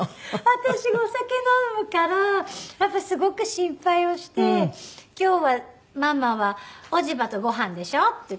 私がお酒飲むからすごく心配をして「今日はママはおじばとご飯でしょ？」って言って。